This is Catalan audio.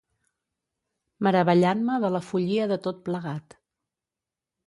Meravellant-me de la follia de tot plegat.